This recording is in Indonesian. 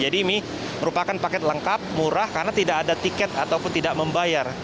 jadi ini merupakan paket lengkap murah karena tidak ada tiket ataupun tidak membayar